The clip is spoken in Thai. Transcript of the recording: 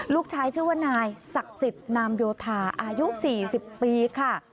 ชื่อว่านายศักดิ์สิทธิ์นามโยธาอายุ๔๐ปีค่ะ